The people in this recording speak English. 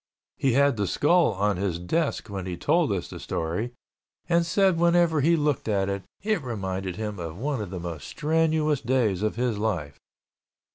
He had the skull on his desk when he told us the story and said whenever he looked at it, it reminded him of one of the most strenuous days of his life.